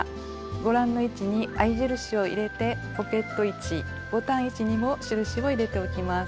ご覧の位置に合い印を入れてポケット位置ボタン位置にも印を入れておきます。